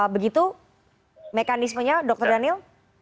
begitu mekanismenya dokter daniel